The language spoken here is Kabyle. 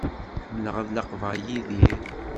Ḥemmleɣ ad laqbeɣ Yidir.